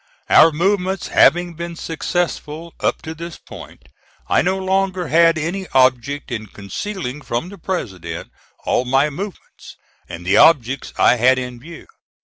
Our movements having been successful up to this point, I no longer had any object in concealing from the President all my movements, and the objects I had in view.